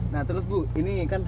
nah terus bu ini kan